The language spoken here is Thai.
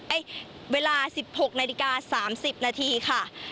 เวลา๑๖นาฬิกา๓๐นาทีค่ะ